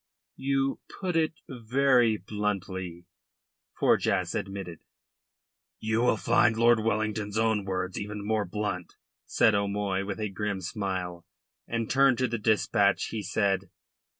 "You put it very bluntly," Forjas admitted. "You will find Lord Wellington's own words even more blunt," said O'Moy, with a grim smile, and turned to the dispatch he held.